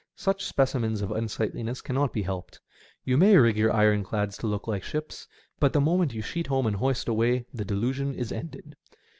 Such speci mens of unsightliness cannot be helped. You may rig your ironclads to look like ships, but the moment you sheet home and hoist away the delusion is ended.